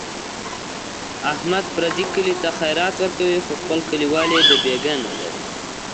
احمد پردي کلي ته خیرات ورکوي، خو خپل کلیوال یې دبیګاه نه لري.